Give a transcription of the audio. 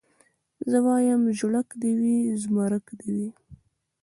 زه وايم ژړک دي وي زمرک دي وي